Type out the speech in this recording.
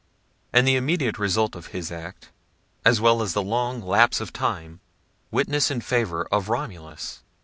And the immediate results of his act, as well as the long lapse of time, witness in favour of Romulus.